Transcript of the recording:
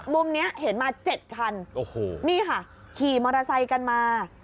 มุมนี้เห็นมา๗คันโอ้โหนี่ค่ะขี่มอเตอร์ไซค์กันมา